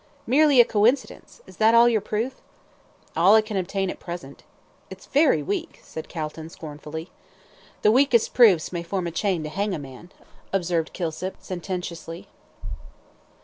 "Merely a coincidence. Is that all your proof?" "All I can obtain at present." "It's very weak," said Calton, scornfully. "The weakest proofs may form a chain to hang a man," observed Kilsip, sententiously.